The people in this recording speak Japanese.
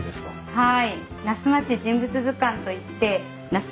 はい。